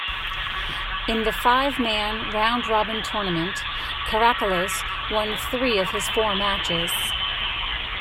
In the five-man, round-robin tournament, Karakalos won three of his four matches.